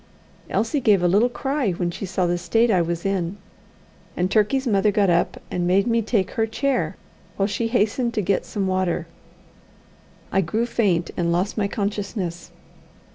Elsie gave a little cry when she saw the state I was in, and Turkey's mother got up and made me take her chair while she hastened to get some water. I grew faint, and lost my consciousness.